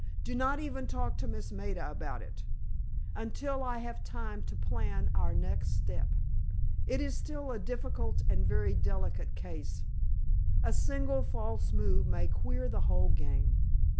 Do not even talk to Miss Maida about it, until I have time to plan our next step. It is still a difficult and a very delicate case. A single false move may queer the whole game."